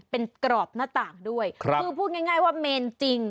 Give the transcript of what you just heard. เป็นกรอบหน้าต่างด้วยคือพูดง่ายว่าเมนจริง